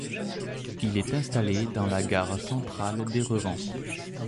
Il est installé dans la gare centrale d'Erevan.